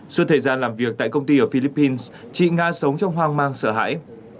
suốt thời gian làm việc tại công ty ở philippines chị nga sống trong hoang mang sợ hãi